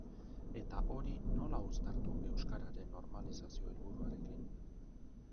Eta hori nola uztartu euskararen normalizazio helburuarekin?